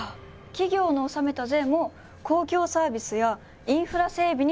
企業の納めた税も公共サービスやインフラ整備に使われてるんだ。